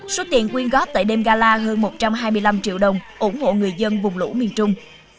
số tiền quyên góp tại đêm gala hơn một trăm hai mươi năm triệu đồng ủng hộ người dân vùng lũ miền trung